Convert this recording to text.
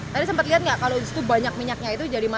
tapi sempat lihat gak kalau banyak minyaknya itu jadi berapa